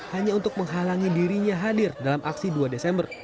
hanya untuk menghalangi dirinya hadir dalam aksi dua desember